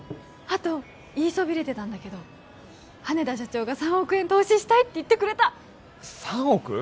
あと言いそびれてたんだけど羽田社長が３億円投資したいって言ってくれた３億！？